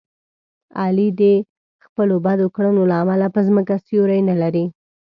علي د خپلو بدو کړنو له امله په ځمکه سیوری نه لري.